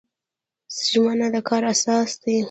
ژمنه د کار اساس دی